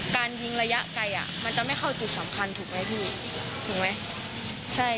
การยิงระยะไกลมันจะไม่เข้าจุดสำคัญถูกไหมพี่ถูกไหมใช่